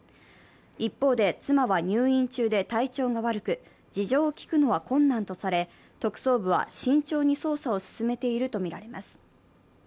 一方で妻は入院中で体調が悪く、事情を聴くのは困難とされ、特捜部は慎重に捜査を進めているとみられます。